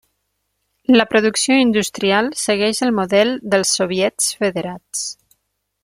La producció industrial segueix el model dels soviets federats.